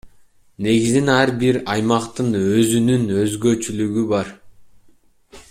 Негизинен ар бир аймактын өзүнүн өзгөчөлүгү бар.